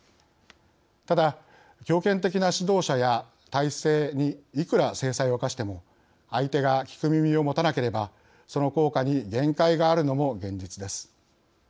ただ、強権的な指導者や体制にいくら制裁を科しても相手が聞く耳を持たなければその効果に限界があるのも現実です。